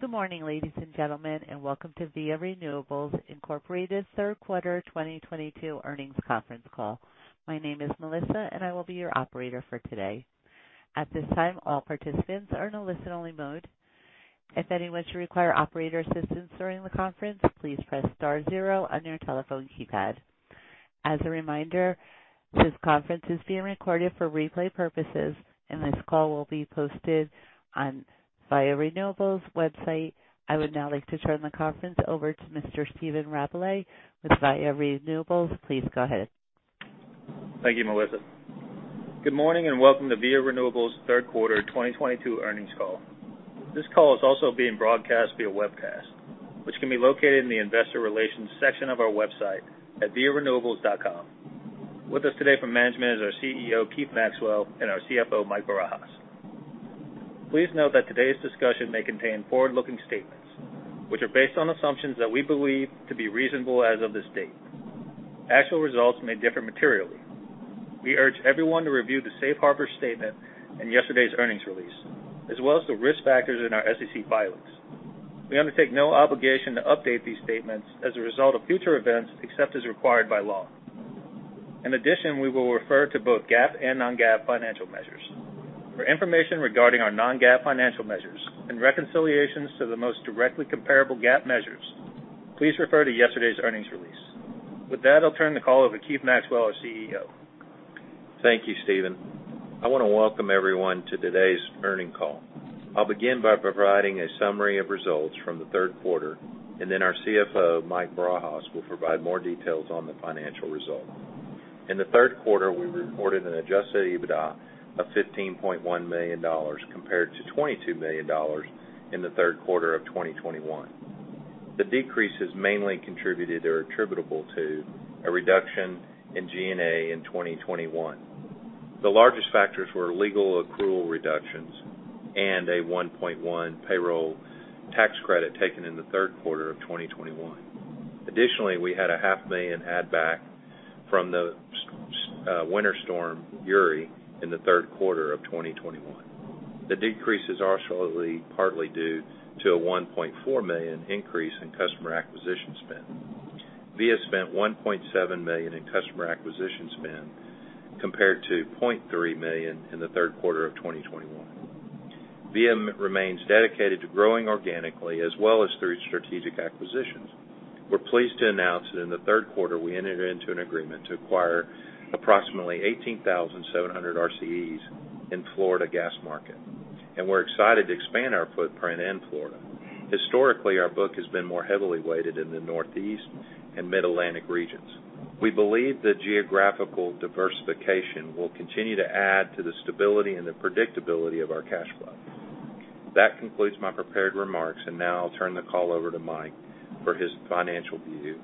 Good morning, ladies and gentlemen, and welcome to Via Renewables, Inc. Third Quarter 2022 Earnings Conference Call. My name is Melissa, and I will be your operator for today. At this time, all participants are in a listen-only mode. If anyone should require operator assistance during the conference, please press star 0 on your telephone keypad. As a reminder, this conference is being recorded for replay purposes, and this call will be posted on Via Renewables website. I would now like to turn the conference over to Mr. Stephen Rabalais with Via Renewables. Please go ahead. Thank you, Melissa. Good morning, and welcome to Via Renewables Third Quarter 2022 Earnings Call. This call is also being broadcast via webcast, which can be located in the Investor Relations section of our website at viarenewables.com. With us today from management is our CEO, Keith Maxwell, and our CFO, Mike Barajas. Please note that today's discussion may contain forward-looking statements, which are based on assumptions that we believe to be reasonable as of this date. Actual results may differ materially. We urge everyone to review the safe harbor statement in yesterday's earnings release, as well as the risk factors in our SEC filings. We undertake no obligation to update these statements as a result of future events, except as required by law. In addition, we will refer to both GAAP and non-GAAP financial measures. For information regarding our non-GAAP financial measures and reconciliations to the most directly comparable GAAP measures, please refer to yesterday's earnings release. With that, I'll turn the call over to Keith Maxwell, our CEO. Thank you, Stephen. I wanna welcome everyone to today's earnings call. I'll begin by providing a summary of results from the third quarter, and then our CFO, Mike Barajas, will provide more details on the financial results. In the third quarter, we reported an Adjusted EBITDA of $15.1 million compared to $22 million in the third quarter of 2021. The decreases mainly attributable to a reduction in G&A in 2021. The largest factors were legal accrual reductions and a $1.1 payroll tax credit taken in the third quarter of 2021. Additionally, we had a half million add back from the Winter Storm Uri in the third quarter of 2021. The decreases are also partly due to a $1.4 million increase in customer acquisition spend. Via spent $1.7 million in customer acquisition spend compared to $0.3 million in the third quarter of 2021. Via remains dedicated to growing organically as well as through strategic acquisitions. We're pleased to announce that in the third quarter, we entered into an agreement to acquire approximately 18,700 RCEs in Florida gas market, and we're excited to expand our footprint in Florida. Historically, our book has been more heavily weighted in the Northeast and mid-Atlantic regions. We believe the geographical diversification will continue to add to the stability and the predictability of our cash flow. That concludes my prepared remarks. Now I'll turn the call over to Mike for his financial review.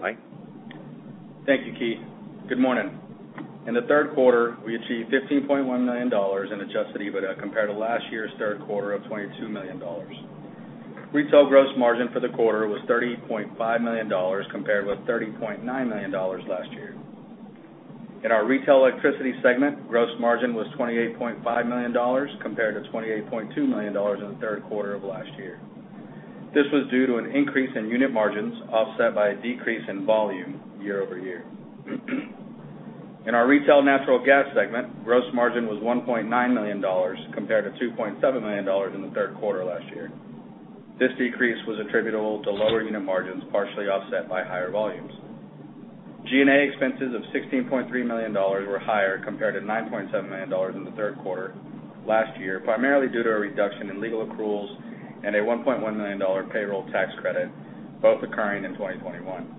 Mike? Thank you, Keith. Good morning. In the third quarter, we achieved $15.1 million in Adjusted EBITDA compared to last year's third quarter of $22 million. Retail gross margin for the quarter was $30.5 million compared with $30.9 million last year. In our retail electricity segment, gross margin was $28.5 million compared to $28.2 million in the third quarter of last year. This was due to an increase in unit margins, offset by a decrease in volume year-over-year. In our Retail Natural Gas segment, gross margin was $1.9 million compared to $2.7 million in the third quarter last year. This decrease was attributable to lower unit margins, partially offset by higher volumes. G&A expenses of $16.3 million were higher compared to $9.7 million in the third quarter last year, primarily due to a reduction in legal accruals and a $1.1 million payroll tax credit, both occurring in 2021.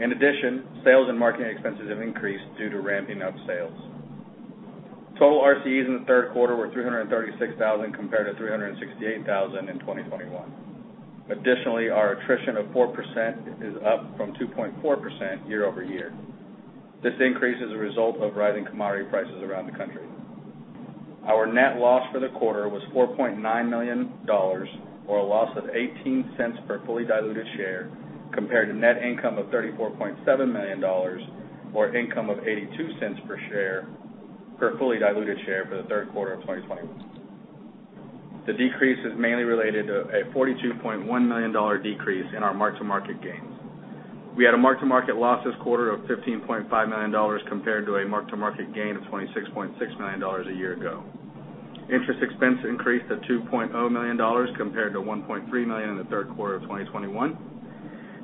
In addition, sales and marketing expenses have increased due to ramping up sales. Total RCEs in the third quarter were 336,000 compared to 368,000 in 2021. Additionally, our attrition of 4% is up from 2.4% year-over-year. This increase is a result of rising commodity prices around the country. Our net loss for the quarter was $4.9 million, or a loss of $0.18 per fully diluted share, compared to net income of $34.7 million, or income of $0.82 per fully diluted share for the third quarter of 2020. The decrease is mainly related to a $42.1 million decrease in our mark-to-market gains. We had a mark-to-market loss this quarter of $15.5 million compared to a mark-to-market gain of $26.6 million a year ago. Interest expense increased to $2.0 million compared to $1.3 million in the third quarter of 2021.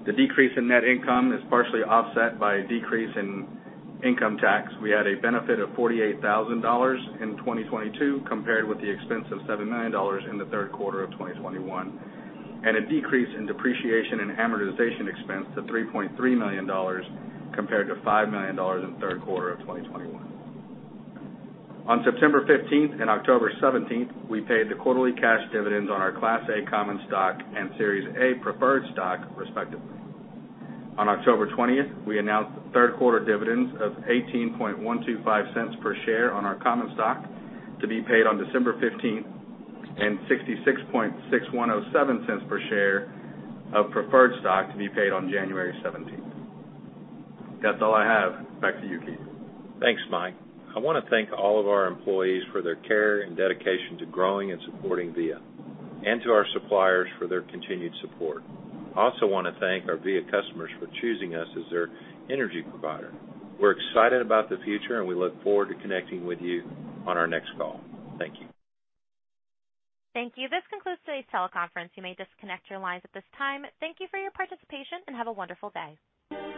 The decrease in net income is partially offset by a decrease in income tax. We had a benefit of $48,000 in 2022 compared with the expense of $7 million in the third quarter of 2021, and a decrease in depreciation and amortization expense to $3.3 million compared to $5 million in the third quarter of 2021. On September 15th and October 17th, we paid the quarterly cash dividends on our Class A common stock and Series A Preferred Stock respectively. On October 20th, we announced the third quarter dividends of $0.18125 per share on our common stock to be paid on December 15th and $0.666107 per share of preferred stock to be paid on January 17th. That's all I have. Back to you, Keith. Thanks, Mike. I wanna thank all of our employees for their care and dedication to growing and supporting Via, and to our suppliers for their continued support. I also wanna thank our Via customers for choosing us as their energy provider. We're excited about the future, and we look forward to connecting with you on our next call. Thank you. Thank you. This concludes today's teleconference. You may disconnect your lines at this time. Thank you for your participation, and have a wonderful day.